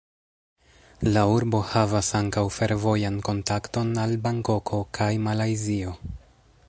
La urbo havas ankaŭ fervojan kontakton al Bankoko kaj Malajzio.